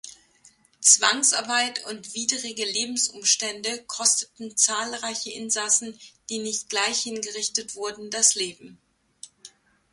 Zwangsarbeit und widrige Lebensumstände kosteten zahlreiche Insassen, die nicht gleich hingerichtet wurden, das Leben.